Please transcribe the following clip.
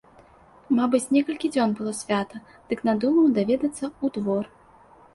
Мабыць, некалькі дзён было свята, дык надумаў даведацца ў двор.